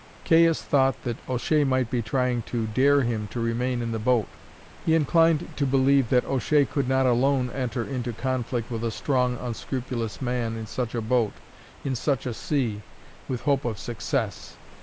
Cains thought that O'Shea might be trying to dare him to remain in the boat. He inclined to believe that O'Shea could not alone enter into conflict with a strong unscrupulous man in such a boat, in such a sea, with hope of success.